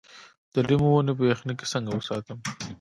د لیمو ونې په یخنۍ کې څنګه وساتم؟